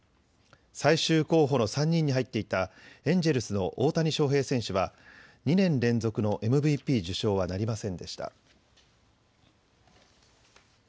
最終候補の３人に入っていたエンジェルスの大谷翔平選手は２年連続のＭＶＰ受賞はなりませんでした。